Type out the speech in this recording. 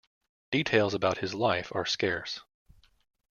Details about his life are scarce.